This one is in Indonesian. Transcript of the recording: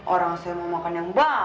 orang saya mau makan yang banyak